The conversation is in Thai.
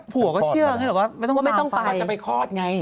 ผัวก็เชื่อไม่ต้องตามฟังว่าจะไปคลอดไง